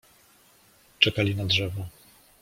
Czekali na drzewo.